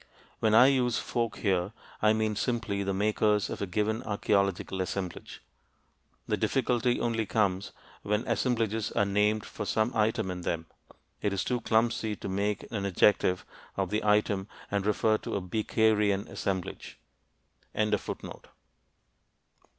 When I use "folk" here, I mean simply the makers of a given archeological assemblage. The difficulty only comes when assemblages are named for some item in them; it is too clumsy to make an adjective of the item and refer to a "beakerian" assemblage.